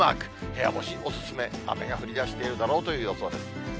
部屋干しお勧め、雨が降りだしているだろうという予想です。